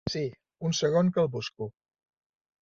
Si, un segon que el busco.